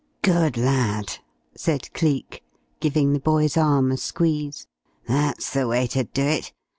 "Good lad!" said Cleek, giving the boy's arm a squeeze. "That's the way to do it!